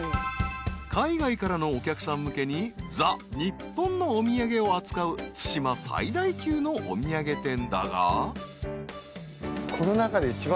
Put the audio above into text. ［海外からのお客さん向けにザ・日本のお土産を扱う対馬最大級のお土産店だが］